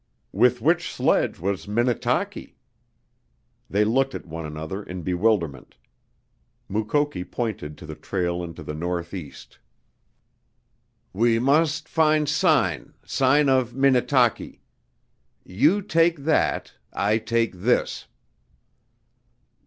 With which sledge was Minnetaki? They looked at one another in bewilderment. Mukoki pointed to the trail into the northeast. "We must fin' sign sign of Minnetaki. You take that I take this!"